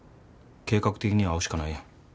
計画的に会うしかないやん。